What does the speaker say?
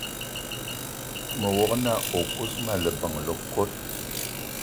Me wog-na o kousma leben le kot